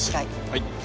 はい。